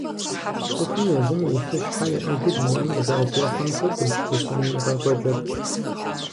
ЦӀыхум езым и лъыщхьэ иӀэжу дунейм къызэрытехьэм хуэдэщ усэми и къэкӀуэкӀэр.